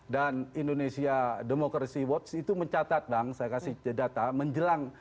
dan indonesia democracy watch itu mencatat bang saya kasih data menjelang